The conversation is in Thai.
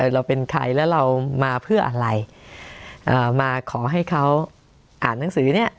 เราเป็นใครแล้วเรามาเพื่ออะไรเอ่อมาขอให้เขาอ่านหนังสือเนี่ย